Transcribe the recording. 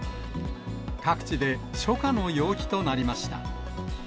各地で初夏の陽気となりました。